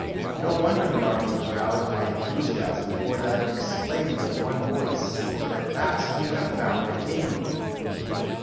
No wonder the army was roused to enthusiasm, or that it exclaimed with one voice, "At last we have found a King!"